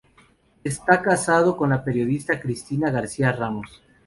Está casado con la periodista Cristina García Ramos.